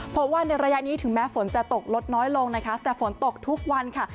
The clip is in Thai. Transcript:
เพราะว่าในระยะนี้ถึงแม้ฝนจะตกลดน้อยลงนะคะแต่ฝนตกทุกวันค่ะ